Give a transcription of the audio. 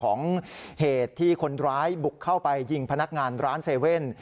เหตุที่คนร้ายบุกเข้าไปยิงพนักงานร้าน๗๑๑